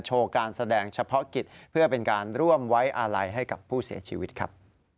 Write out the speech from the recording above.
การแสดงเฉพาะกิจเพื่อเป็นการร่วมไว้อาลัยให้กับผู้เสียชีวิตครับ